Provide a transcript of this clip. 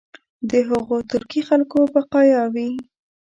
د هغو ترکي خلکو بقایا وي.